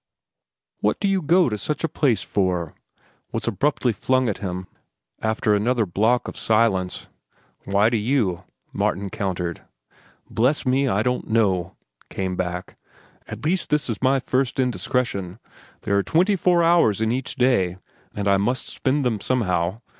"What do you go to such a place for?" was abruptly flung at him after another block of silence. "Why do you?" Martin countered. "Bless me, I don't know," came back. "At least this is my first indiscretion. There are twenty four hours in each day, and I must spend them somehow.